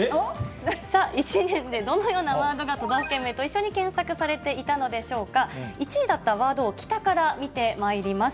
さあ、１年でどのようなワードが都道府県名と一緒に検索されていたのか、１位だったワードを北から見てまいります。